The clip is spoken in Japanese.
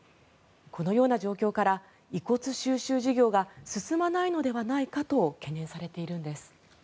このような状況から遺骨収集事業が進まないのではないかと懸念されているんです。